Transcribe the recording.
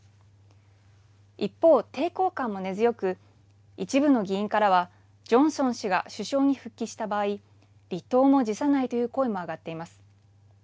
一方、抵抗感も根強く一部の議員からはジョンソン氏が首相に復帰した場合離党も辞さないという声も上がっています。